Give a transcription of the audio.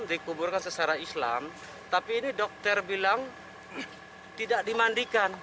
dikuburkan secara islam tapi ini dokter bilang tidak dimandikan